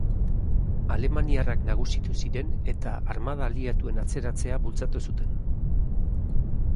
Alemaniarrak nagusitu ziren eta armada aliatuen atzeratzea bultzatu zuten.